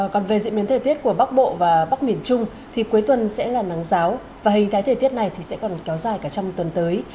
còn về diễn biến thời tiết của bắc bộ và bắc miền trung thì cuối tuần sẽ là nắng giáo và hình thái thời tiết này thì sẽ còn kéo dài cả trong tuần tới